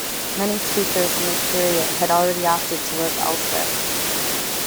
Many speakers in this period had already opted to live elsewhere.